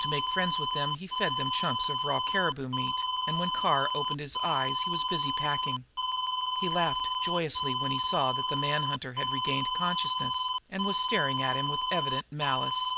To make friends with them he fed them chunks of raw caribou meat, and when Carr opened his eyes he was busy packing. He laughed joyously when he saw that the man hunter had regained consciousness, and was staring at him with evident malice.